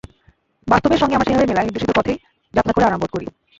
বাস্তবের সঙ্গে আমরা সেভাবেই মেলাই, নির্দেশিত পথেই যাত্রা করে আরাম বোধ করি।